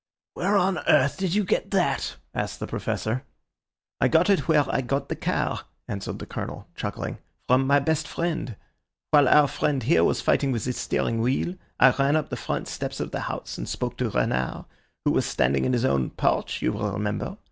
"Where on earth did you get that?" asked the Professor. "I got it where I got the car," answered the Colonel, chuckling, "from my best friend. While our friend here was fighting with the steering wheel, I ran up the front steps of the house and spoke to Renard, who was standing in his own porch, you will remember.